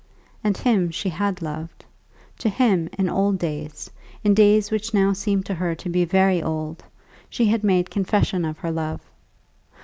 And him she had loved. To him, in old days, in days which now seemed to her to be very old, she had made confession of her love.